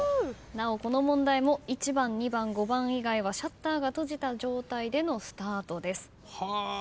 なおこの問題も１番２番５番以外はシャッターが閉じた状態でのスタートです。